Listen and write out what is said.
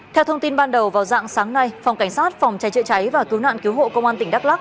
theo thông tin ban đầu vào dạng sáng nay phòng cảnh sát phòng cháy chữa cháy và cứu nạn cứu hộ công an tỉnh đắk lắc